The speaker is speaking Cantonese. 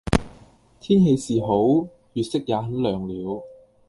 天氣是好，月色也很亮了。